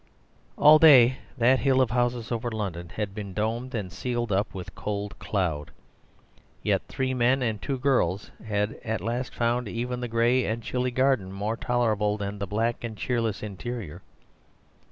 All day that hill of houses over London had been domed and sealed up with cold cloud. Yet three men and two girls had at last found even the gray and chilly garden more tolerable than the black and cheerless interior.